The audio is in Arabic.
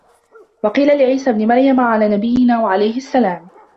وَقِيلَ لِعِيسَى ابْنِ مَرْيَمَ عَلَى نَبِيِّنَا وَعَلَيْهِ السَّلَامُ